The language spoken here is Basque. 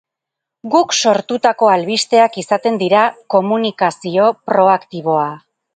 Guk sortutako albisteak izaten dira, komunikazio proaktiboa.